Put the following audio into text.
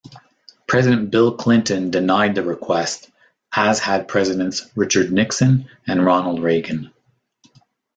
President Bill Clinton denied the request, as had Presidents Richard Nixon and Ronald Reagan.